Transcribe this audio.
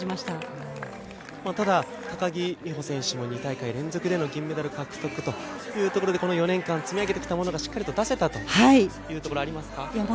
ただ高木美帆選手の２大会連続での銀メダル獲得というところで４年間、積み上げてきたものがしっかり出せたというところありますか？